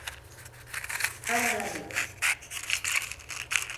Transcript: Ana Garrido.